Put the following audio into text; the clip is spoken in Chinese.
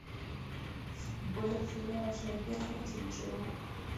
为主要水边观景植物。